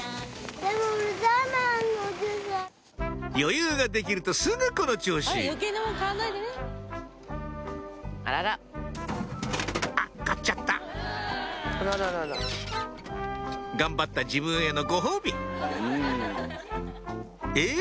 余裕ができるとすぐこの調子あっ買っちゃった頑張った自分へのご褒美え？